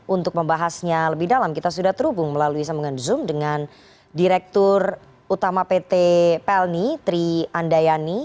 untuk membahasnya lebih dalam kita sudah terhubung melalui sambungan zoom dengan direktur utama pt pelni tri andayani